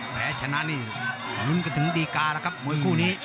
แต่ฉะนั้นนี่ลุ้นก็ถึงดีการ่ะครับมวยคู่นี้